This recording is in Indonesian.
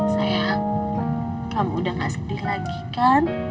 saya kamu udah gak sedih lagi kan